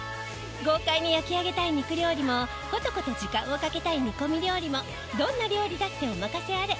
豪快に焼き上げたい肉料理もコトコト時間をかけたい煮込み料理もどんな料理だってお任せあれ。